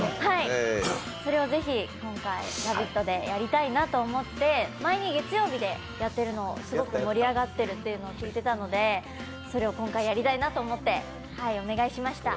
それをぜひ、今回、「ラヴィット！」でやりたいなと思ってて前に月曜日で「ラヴィット！」でやっているのをすごく盛り上がっていたのを聞いて、それを今回やりたいなと思ってお願いしました。